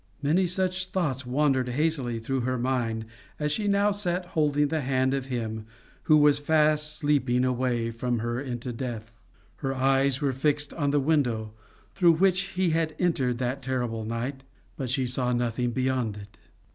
Many such thoughts wandered hazily through her mind as she now sat holding the hand of him who was fast sleeping away from her into death. Her eyes were fixed on the window through which he had entered that terrible night, but she saw nothing beyond it.